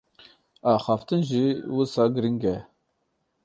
Axaftin jî wisa giring e.